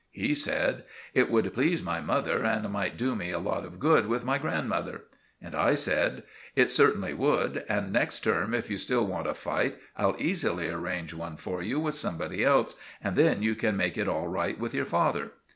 He said— "It would please my mother and might do me a lot of good with my grandmother." And I said— "It certainly would; and next term, if you still want a fight, I'll easily arrange one for you with somebody else, and then you can make it all right with your father."